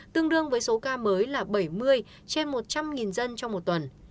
tương đương với số ca mới là bảy mươi trên một trăm linh dân trong một tuần